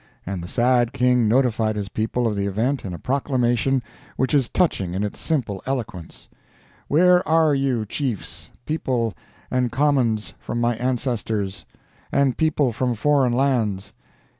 And the sad King notified his people of the event in a proclamation which is touching in its simple eloquence: "Where are you, chiefs, people and commons from my ancestors, and people from foreign lands!